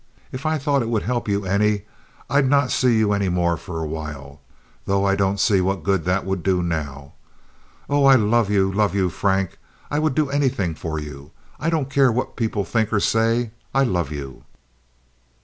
If I thought it would help you any I'd not see you any more for a while, though I don't see what good that would do now. Oh, I love you, love you, Frank! I would do anything for you. I don't care what people think or say. I love you."